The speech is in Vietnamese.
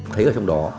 thấy ở trong đó